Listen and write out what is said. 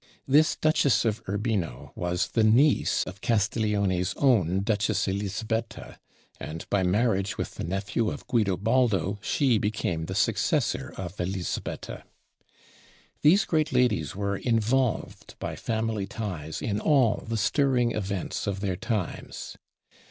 This Duchess of Urbino was the niece of Castiglione's own Duchess Elisabetta; and by marriage with the nephew of Guidobaldo she became the successor of Elisabetta. These great ladies were involved by family ties in all the stirring events of their times.